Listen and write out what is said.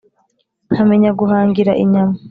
Nkamenya guhangira inyama!